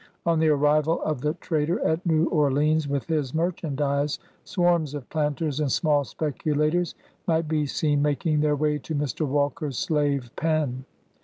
On the arrival of the trader at New Orleans with his merchandise, swarms of planters and small speculators might be seen making their way to Mr. Walker's slave pen.